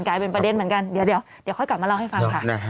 กลายเป็นประเด็นเหมือนกันเดี๋ยวค่อยกลับมาเล่าให้ฟังค่ะ